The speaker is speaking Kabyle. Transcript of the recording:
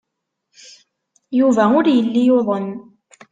Yuba ur yelli yuḍen.